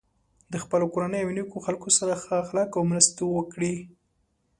د خپل کورنۍ او نیکو خلکو سره ښه اخلاق او مرستې وکړی.